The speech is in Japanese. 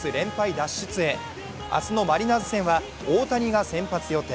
脱出へ、明日のマリナーズ戦は大谷が先発予定。